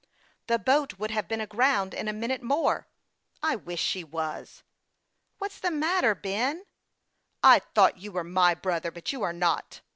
" The boat would have been aground in a minute more." " I wish she was." " What's the matter, Ben ?"" I thought you were my brother ; but you are not."